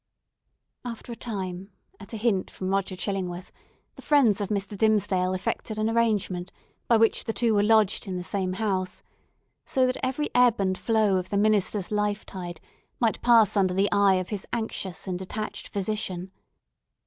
After a time, at a hint from Roger Chillingworth, the friends of Mr. Dimmesdale effected an arrangement by which the two were lodged in the same house; so that every ebb and flow of the minister's life tide might pass under the eye of his anxious and attached physician.